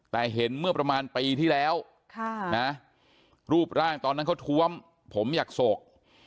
แต่เห็นเมื่อประมาณปีที่แล้วรูปร่างตอนนั้นเขาท้วมผมอยากโศก